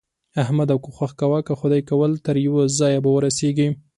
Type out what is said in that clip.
احمده! کوښښ کوه؛ که خدای کول تر يوه ځايه به ورسېږې.